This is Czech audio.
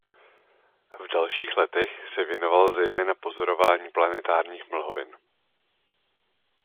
V dalších letech se věnoval zejména pozorování planetárních mlhovin.